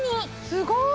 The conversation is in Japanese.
すごーい！